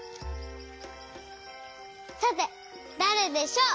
さてだれでしょう？